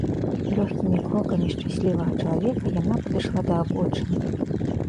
Лёгкімі крокамі шчаслівага чалавека яна падышла да абочыны.